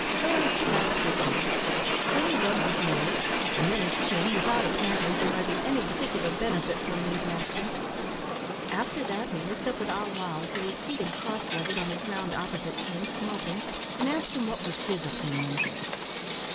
Larry scratched his head; then he rubbed his nose, and then his chin, without, apparently, deriving any particular benefit from these actions. After that, he looked up at Ah wow, who was seated cross legged on the ground opposite to him, smoking, and asked him what was his opinion.